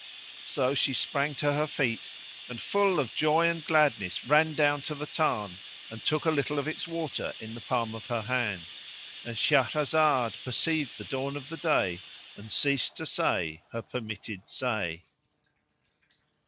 So she sprang to her feet and, full of joy and gladness, ran down to the tarn and took a little of its water in the palm of her hand—And Shahrazad perceived the dawn of day and ceased to say her permitted say.